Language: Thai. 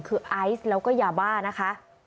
คือไอซ์แล้วก็ยาบ้า